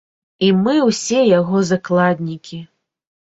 І мы ўсе яго закладнікі.